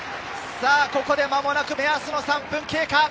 ここで間もなく目安の３分経過。